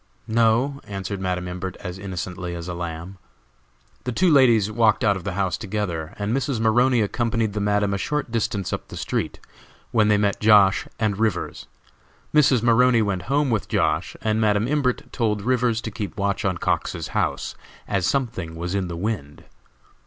"No," answered Madam Imbert, as innocently as a lamb. The two ladies walked out of the house together, and Mrs. Maroney accompanied the Madam a short distance up the street, when they met Josh. and Rivers. Mrs. Maroney went home with Josh., and Madam Imbert told Rivers to keep watch on Cox's house, as something was in the wind.